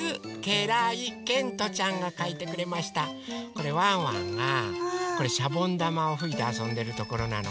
これワンワンがしゃぼんだまをふいてあそんでるところなの。